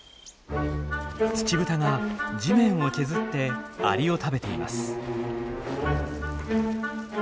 ツチブタが地面を削ってアリを食べています。